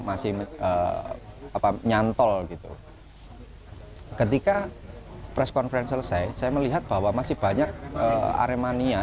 masih apa nyantol gitu ketika press conference selesai saya melihat bahwa masih banyak aremania